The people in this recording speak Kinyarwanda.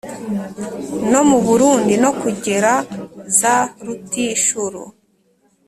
No mu burundi no kugera za rutshuru